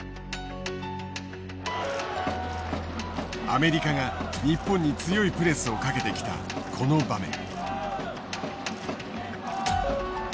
アメリカが日本に強いプレスをかけてきたこの場面。